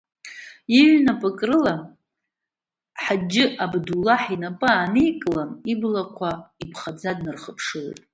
Иҩнапык рыла Ҳаџьы Абдуллаҳ инапы аанкыланы иблақәа иԥхаӡа днархыԥшылеит.